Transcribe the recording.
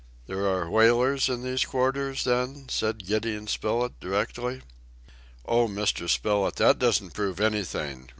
"There are whalers in these quarters, then?" said Gideon Spilett directly. "Oh, Mr. Spilett, that doesn't prove anything!"